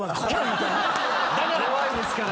弱いですからね。